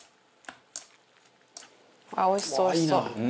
ああおいしそうおいしそう。